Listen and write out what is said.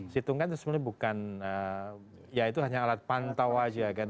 situng kan itu sebenarnya bukan ya itu hanya alat pantau aja kan